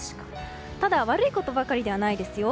ただ悪いことばかりではないですよ。